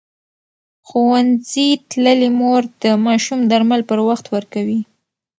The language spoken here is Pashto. ښوونځې تللې مور د ماشوم درمل پر وخت ورکوي.